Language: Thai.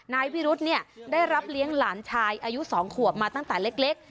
นายพิรุธเนี่ยได้รับเลี้ยงหลานชายอายุ๒ขวบมาตั้งแต่เล็ก